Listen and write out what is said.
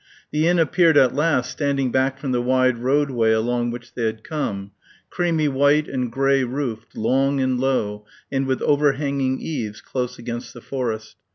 The inn appeared at last standing back from the wide roadway along which they had come, creamy white and grey roofed, long and low and with overhanging eaves, close against the forest.